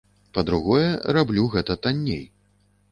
Па-другое, раблю гэта танней.